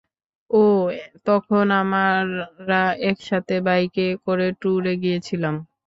ওহ, তখন আমরা একসাথে বাইকে করে ট্যুরে গিয়েছিলাম।